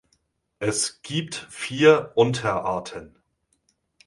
Es gibt vier Unterarten.